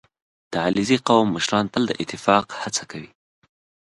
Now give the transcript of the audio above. • د علیزي قوم مشران تل د اتفاق هڅه کوي.